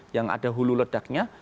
yang ada hulu ledaknya